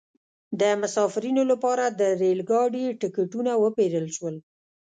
د مسافرینو لپاره د ریل ګاډي ټکټونه وپیرل شول.